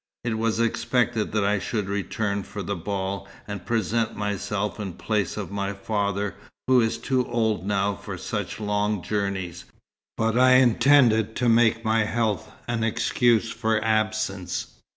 "It was expected that I should return for the ball, and present myself in place of my father, who is too old now for such long journeys; but I intended to make my health an excuse for absence.